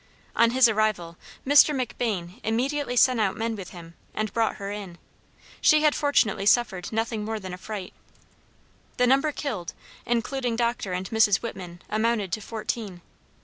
On his arrival, Mr. McBain immediately sent out men with him, and brought her in. She had fortunately suffered nothing more than fright. The number killed, (including Dr. and Mrs. Whitman,) amounted to fourteen.